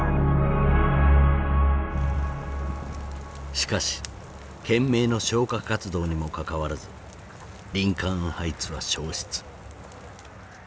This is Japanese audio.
しかし懸命の消火活動にもかかわらずリンカーン・ハイツは焼失。